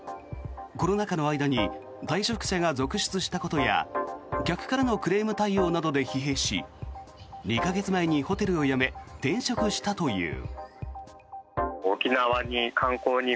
コロナ禍の間に退職者が続出したことや客からのクレーム対応などで疲弊し２か月前にホテルを辞め転職したという。